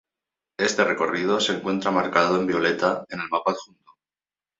Este recorrido se encuentra marcado en violeta en el mapa adjunto.